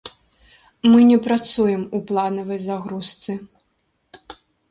Мы не працуем у планавай загрузцы.